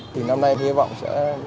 thì năm nay hy vọng sẽ